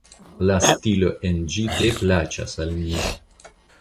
La stilo en ĝi tre plaĉas al mi.